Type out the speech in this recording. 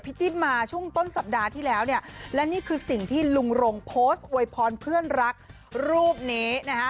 จิ๊บมาช่วงต้นสัปดาห์ที่แล้วเนี่ยและนี่คือสิ่งที่ลุงรงโพสต์อวยพรเพื่อนรักรูปนี้นะฮะ